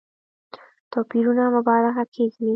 توپيرونو مبالغه کېږي.